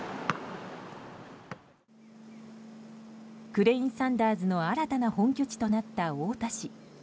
クレインサンダーズの新たな本拠地となった太田市。